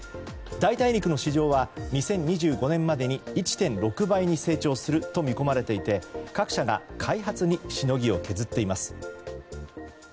代替肉の市場は２０２５年までに１．６倍に成長すると見込まれていて各社が開発にしのぎを削っています。